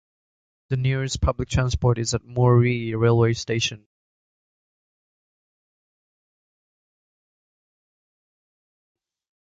The nearest public transport is at Moree railway station.